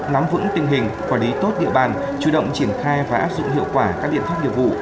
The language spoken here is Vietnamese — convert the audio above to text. nắm vững tình hình quản lý tốt địa bàn chủ động triển khai và áp dụng hiệu quả các biện pháp nghiệp vụ